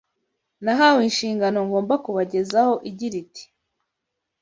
Nahawe inshingano ngomba kubagezaho igira iti: